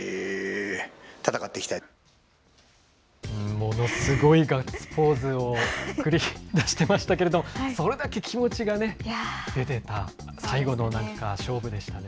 ものすごいガッツポーズを繰り出してましたけど、それだけ気持ちがね、出てた、最後のなんか勝負でしたね。